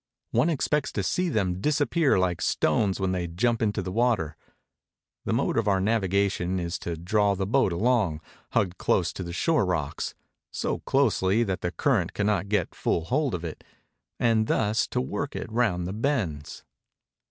One expects to see them disappear Hke stones when they jump into the water. The mode of our navigation is to draw the boat along, hugged close to the shore rocks, so closely that the current cannot get full hpld of it, and thus to work it round the bends.